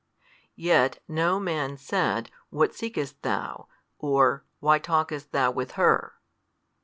yet no man said, What seekest Thou? or, Why talkest Thou with her?